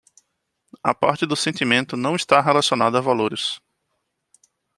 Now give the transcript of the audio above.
A parte do sentimento não está relacionada a valores